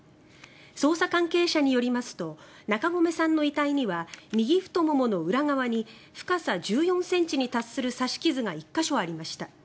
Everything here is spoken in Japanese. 捜査関係者によりますと中込さんの遺体には右太ももの裏側に深さ１４ｃｍに達する刺し傷が１か所ありました。